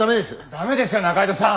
駄目ですよ仲井戸さん！